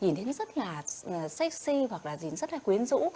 nhìn thấy nó rất là sexy hoặc là gì nó rất là quyến rũ